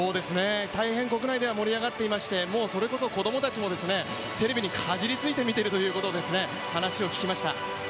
大変国内では盛り上がっていまして、もうそれこそ子供たちもテレビにかじりついて見ているという話を聞きました。